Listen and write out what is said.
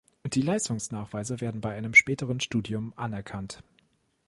Die Leistungsnachweise werden bei einem späteren Studium anerkannt.